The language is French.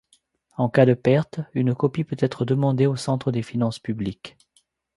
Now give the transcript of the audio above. En cas de perte, une copie peut être demandée au centre des finances publiques.